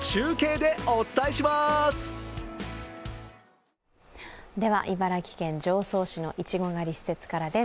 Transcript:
では、茨城県常総市のいちご狩り施設からです。